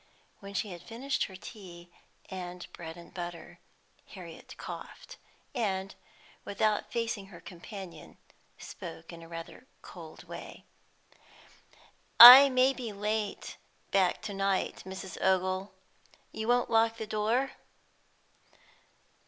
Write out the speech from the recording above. When she had finished her tea and bread and butter, Harriet coughed, and, without facing her companion, spoke in rather a cold way. "I may be late back to night, Mrs. Ogle. You won't lock the door?"